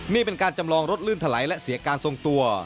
นี่เป็นการจำลองรถลื่นถลายและเสียการทรงตัว